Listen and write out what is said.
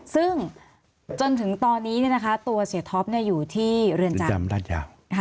ซึ่งจนถึงตอนนี้ตัวเสียท็อปอยู่ที่เรือนจำรัฐยาว